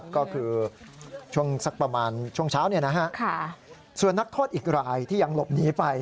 ก็คือช่วงเช้าส่วนนักโทษอีกรายที่ยังหลบหนีไป